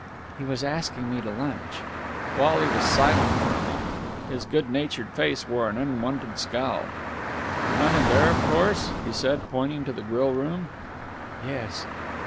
"He was asking me to lunch." Wally was silent for a moment. His good natured face wore an unwonted scowl. "He went in there, of course?" he said, pointing to the grill room. "Yes."